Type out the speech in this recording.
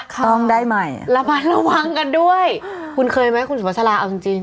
ต้องได้ใหม่ระมัดระวังกันด้วยคุณเคยไหมคุณสุภาษาลาเอาจริงจริง